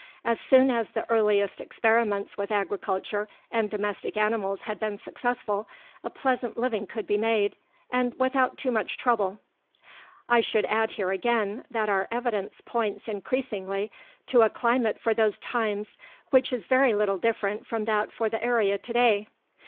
As soon as the earliest experiments with agriculture and domestic animals had been successful, a pleasant living could be made and without too much trouble. I should add here again, that our evidence points increasingly to a climate for those times which is very little different from that for the area today.